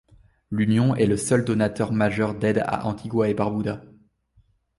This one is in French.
L'Union est le seul donateur majeure d'aide à Antigua-et-Barbuda.